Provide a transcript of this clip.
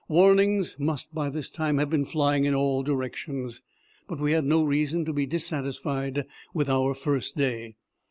Warnings must by this time have been flying in all directions. But we had no reason to be dissatisfied with our first day.